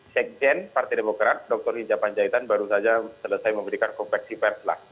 sekjen partai demokrat dr hinja panjaitan baru saja selesai memberikan konversi pers lah